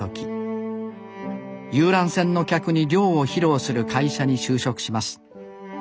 遊覧船の客に漁を披露する会社に就職します。